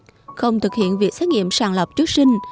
không biết không thực hiện việc xét nghiệm sàng lọc trước sinh